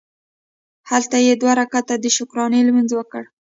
هلته یې دوه رکعته د شکرانې لمونځ وکړ.